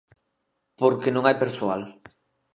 Porque non hai persoal.